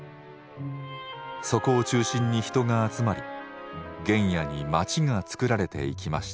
そこを中心に人が集まり原野に町がつくられていきました。